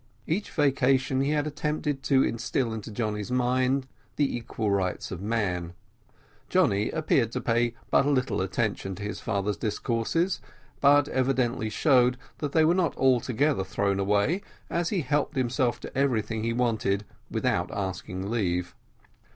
Each vacation he had attempted to instil into Johnny's mind the equal rights of man. Johnny appeared to pay but little attention to his father's discourses, but evidently showed that they were not altogether thrown away, as he helped himself to everything he wanted, without asking leave.